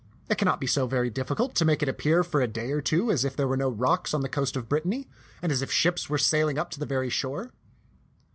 It cannot be so very difficult to make it appear for a day or two as if there were no rocks on the coast of Brittany, and as if ships were sailing up to the very shore."